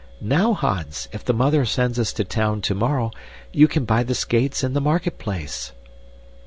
Now, Hans, if the mother sends us to town tomorrow, you can buy the skates in the marketplace."